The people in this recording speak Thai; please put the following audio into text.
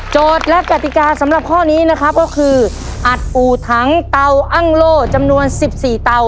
โจทย์และกฎิกาสำหรับข้อนี้นะครับก็คืออัดอูทังเตาอังโล่จำนวนสิบสี่เตา